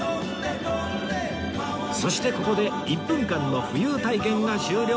そしてここで１分間の浮遊体験が終了